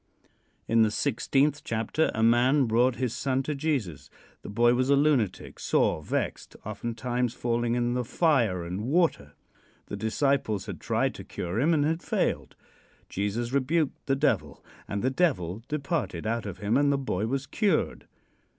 In the sixteenth chapter a man brought his son to Jesus. The boy was a lunatic, sore vexed, oftentimes falling in the fire and water. The disciples had tried to cure him and had failed. Jesus rebuked the devil, and the devil departed out of him and the boy was cured.